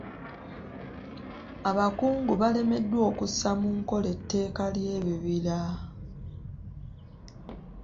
Abakungu balemeddwa okussa mu nkola etteeka ly'ebibira.